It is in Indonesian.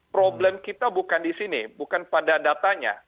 problem kita bukan di sini bukan pada datanya